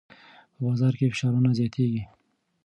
په بازار کې فشارونه زیاتېږي.